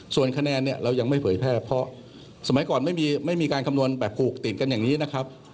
ส่วนคะแนนเนี่ยเรายังไม่เผยแพร่เพราะสมัยก่อนไม่มีการคำนวณแบบผูกติดกันอย่างนี้นะครับ